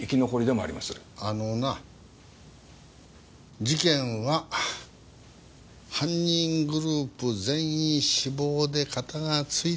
あのな事件は犯人グループ全員死亡でカタがついてる。